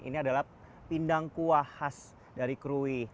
ini adalah pindang kuah khas dari krui